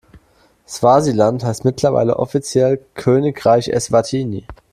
Swasiland heißt mittlerweile offiziell Königreich Eswatini.